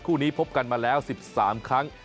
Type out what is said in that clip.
คู่นี้พบกันมาแล้ว๑๓ครั้ง